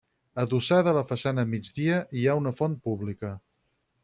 Adossada a la façana migdia hi ha una font pública.